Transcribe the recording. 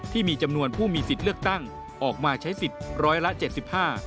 ที่มีจำนวนผู้มีสิทธิ์เลือกตั้งออกมาใช้สิทธิ์๑๗๕